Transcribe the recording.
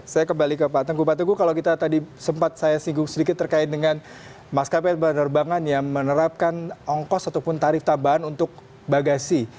saya kembali ke pak tengku pak teguh kalau kita tadi sempat saya singgung sedikit terkait dengan maskapai penerbangan yang menerapkan ongkos ataupun tarif tambahan untuk bagasi